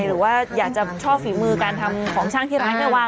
หรืออยากช่วงฝีมือการทำของช่างที่ไร้ไม่ว้าง